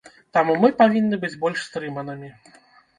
Таму мы павінны быць больш стрыманымі.